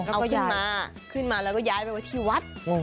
เอาขึ้นมาขึ้นมาแล้วก็ย้ายไปไว้ที่วัด